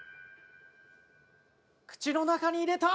口の中に入れた！